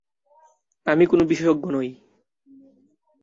আমি কোন বিশেষজ্ঞ নই।